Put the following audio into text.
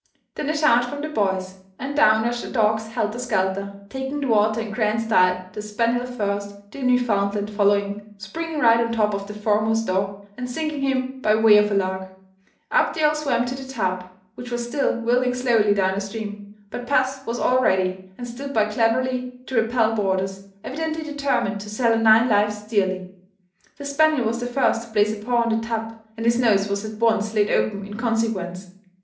Then a shout from the boys; and down rushed the dogs helter skelter, taking the water in grand style, the spaniel first, the Newfoundland following, springing right on top of the foremost dog, and sinking him by way of a lark. Up they all swam to the tub, which was still whirling slowly down stream; but puss was all ready, and stood by cleverly to repel boarders, evidently determined to sell her nine lives dearly. The spaniel was the first to place a paw on the tub; and his nose was at once laid open in consequence.